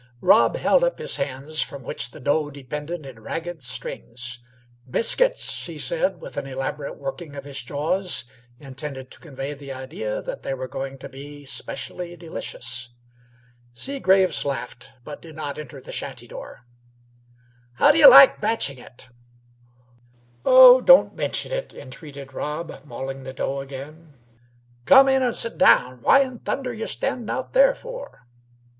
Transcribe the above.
I Rob held up his hands, from which the dough depended in ragged strings. "Biscuits," he said, with an elaborate working of his jaws, intended to convey the idea that they were going to be specially delicious. Seagraves laughed, but did not enter the shanty door. "How do you like baching it?" "Oh, don't mention it!" entreated Rob, mauling the dough again. "Come in an' sit down. What in thunder y' standin' out there for?"